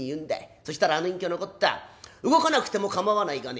そしたらあの隠居のこった『動かなくても構わないがね